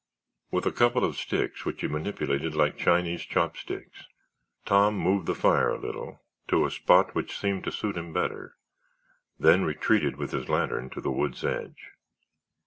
With a couple of sticks which he manipulated like Chinese chopsticks, Tom moved the fire a little to a spot which seemed to suit him better, then retreated with his lantern to the wood's edge.